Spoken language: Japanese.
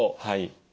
はい。